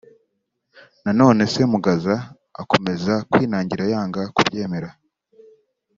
Na none Semugaza akomeza kwinangira yanga kubyemera